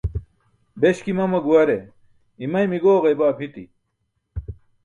Beśki mama guware, imaymi gooġaybaa pʰiṭi.